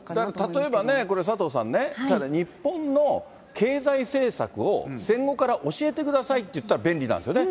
例えばね、これ、佐藤さんね、日本の経済政策を戦後から教えてくださいって言ったら、便利なんですよね。